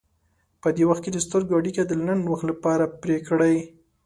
په دې وخت کې د سترګو اړیکه د لنډ وخت لپاره پرې کړئ.